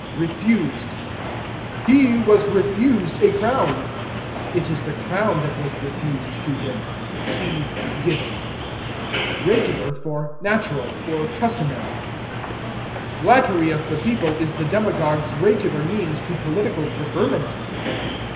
Refused. "He was refused a crown." It is the crown that was refused to him. See Given. Regular for Natural, or Customary. "Flattery of the people is the demagogue's regular means to political preferment."